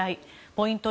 ポイント